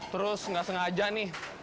terus nggak sengaja nih